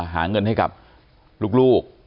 หาเงินให้กับลูก